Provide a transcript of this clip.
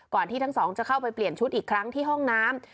ที่ทั้งสองจะเข้าไปเปลี่ยนชุดอีกครั้งที่ห้องน้ำ